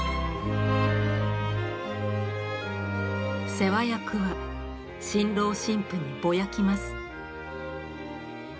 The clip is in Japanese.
世話役は新郎新婦にぼやきます。